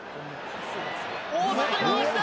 大外に回した！